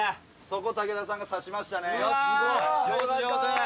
そこを武田さんがさしましたね。